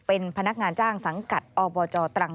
เป็นพนักงานจ้างสังกัดอบจตรัง